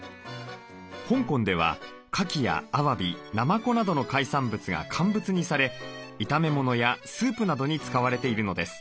香港ではカキやアワビナマコなどの海産物が乾物にされ炒め物やスープなどに使われているのです。